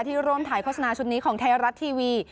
ที่ร่วมถ่ายโฆษณาชุดนี้ของเทราททีวี